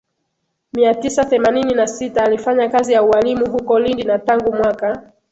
mia tisa themanini na sita alifanya kazi ya ualimu huko Lindi na tangu mwaka